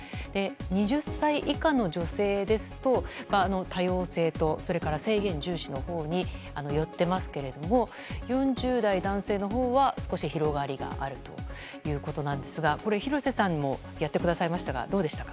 ２０歳以下の女性ですと多様性とそれから制限重視のほうに寄っていますけれども４０代男性のほうは少し広がりがあるということですが廣瀬さんもやってくださいましたがどうでした？